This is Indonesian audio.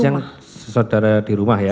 makan siang saudara di rumah ya